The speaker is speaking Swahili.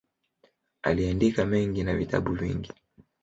Aliandika mengi na vitabu vingi.